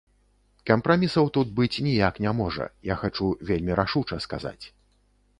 Кампрамісаў тут быць ніяк не можа, я хачу вельмі рашуча сказаць.